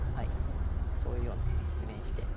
そういうようなイメージで。